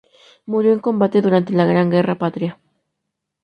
Murió en combate durante la Gran Guerra Patria.